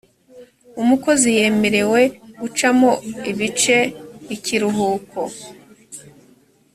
umukozi yemerewqe gucamo ibice ikiruhukoe